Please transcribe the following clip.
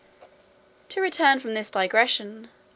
To return from this digression.